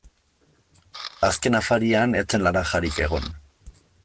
Azken afarian ez zen laranjarik egon.